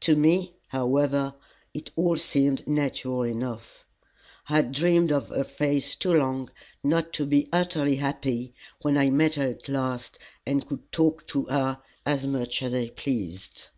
To me, however, it all seemed natural enough. I had dreamed of her face too long not to be utterly happy when I met her at last and could talk to her as much as I pleased.